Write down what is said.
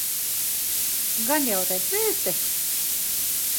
Gan jau redzēsi?